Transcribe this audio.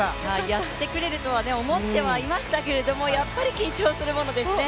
やってくれるとは思ってはいましたけどやっぱり緊張するものですね。